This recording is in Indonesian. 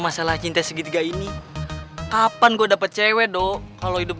masalah cinta segitiga ini kapan gue dapat cewek dong kalau hidup